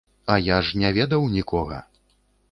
А я ж не ведаў нікога.